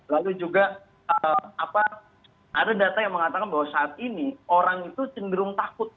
lalu juga ada data yang mengatakan bahwa saat ini orang itu cenderung takut